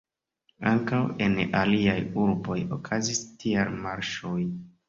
Ankaŭ en aliaj urboj okazis tiaj marŝoj.